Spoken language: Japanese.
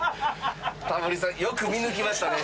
タモリさんよく見抜きましたね。